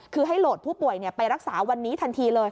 คือให้โหลดผู้ป่วยไปรักษาวันนี้ทันทีเลย